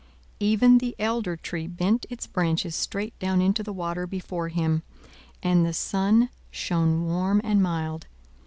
Even the elder tree bent its branches straight down into the water before him, and the sun shone warm and mild.